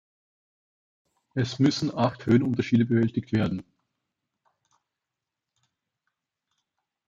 Es müssen acht Höhenunterschiede bewältigt werden.